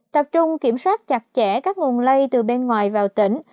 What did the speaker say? tập trung kiểm soát chặt chẽ các nguồn lây từ bên ngoài vào tỉnh